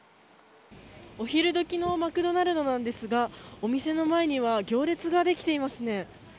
お昼時のマクドナルドですがお店の前には行列ができていますね。